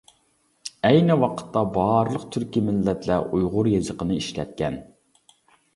ئەينى ۋاقىتتا بارلىق تۈركى مىللەتلەر ئۇيغۇر يېزىقىنى ئىشلەتكەن.